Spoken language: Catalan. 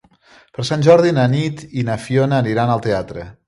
Per Sant Jordi na Nit i na Fiona aniran al teatre.